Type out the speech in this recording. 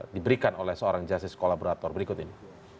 diberikan oleh seorang justice kolaborator berikut ini